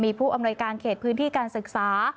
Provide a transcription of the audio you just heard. มีผู้อำนวยการเขตพื้นที่การศึกษา